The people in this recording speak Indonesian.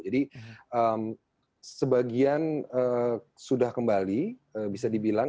jadi sebagian sudah kembali bisa dibilang